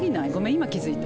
今気付いた。